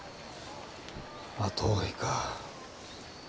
後追いか。